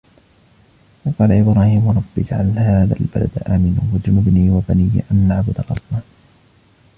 وإذ قال إبراهيم رب اجعل هذا البلد آمنا واجنبني وبني أن نعبد الأصنام